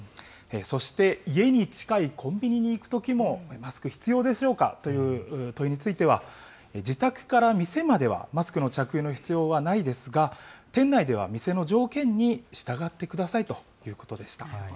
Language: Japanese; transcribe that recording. そして、家に近いコンビニに行くときもマスク必要でしょうかという問いについては、自宅から店まではマスクの着用の必要はないですが、店内では店の条件に従ってくださいということでした。